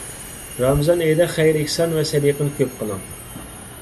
رامىزان ئېيىدا خەير-ئېھسان ۋە سەدىقىنى كۆپ قىلىڭ.